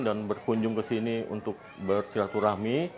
dan berkunjung ke sini untuk bersilaturahmi